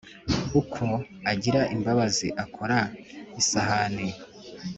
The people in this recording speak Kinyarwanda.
Ukwo agira imbabazi akora isahanii: